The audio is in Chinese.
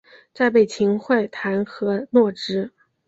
再被秦桧弹劾落职。